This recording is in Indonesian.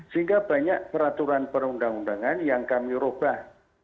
sehingga banyak peraturan perundang undangan yang kami ubah